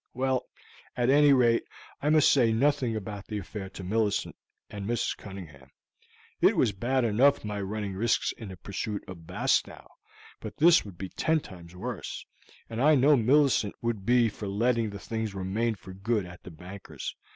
Well, at any rate, I must say nothing about the affair to Millicent and Mrs. Cunningham. It was bad enough my running risks in the pursuit of Bastow; but this would be ten times worse, and I know Millicent would be for letting the things remain for good at the banker's.